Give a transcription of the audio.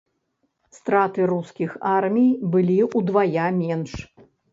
Страты рускіх армій былі ўдвая менш.